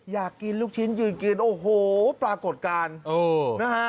อยากกินลูกชิ้นยืนกินโอ้โหปรากฏการณ์นะฮะ